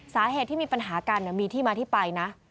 สาเหตุที่มีปัญหากันมีที่มาที่ไปนะ